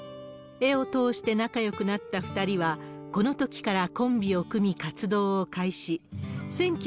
絵を通して仲よくなった２人は、このときからコンビを組み、活動を開始。